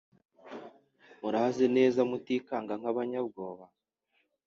muraze neza mutikanga nk’abanyabwoba